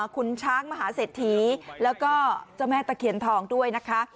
คุณช้างมหาเศรษฐีแล้วก็เจ้าแม่ตะเคียนทองด้วยนะคะ